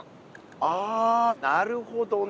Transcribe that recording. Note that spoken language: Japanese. ああなるほどね。